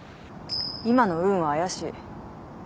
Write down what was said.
今の「うん」は怪しい。